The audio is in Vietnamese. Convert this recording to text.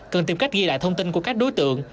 cần tìm cách ghi lại thông tin của các đối tượng